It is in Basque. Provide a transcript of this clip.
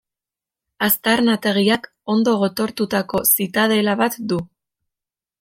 Aztarnategiak ondo gotortutako zitadela bat du.